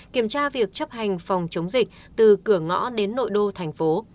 kiểm tra việc chấp hành phòng chống dịch từ cửa ngõ đến nội đô thành phố